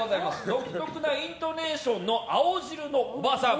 独特なイントネーションの青汁のおばさん。